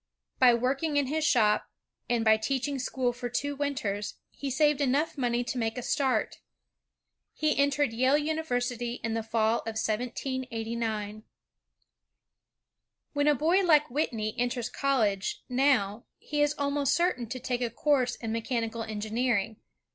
By working in his shop, and by teaching school for two winters, he saved enough money to make a start. He entered Yale University in the fall of 1789. When a boy like Whitney enters college, now, he is almost certain to take a course in mechanical engineering.